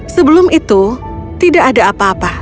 sebelum itu tidak ada apa apa